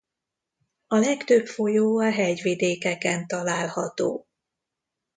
A legtöbb folyó a hegyvidékeken található.